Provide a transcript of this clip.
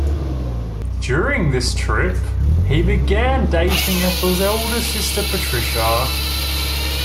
During this trip, he began dating Ethel's elder sister, Patricia.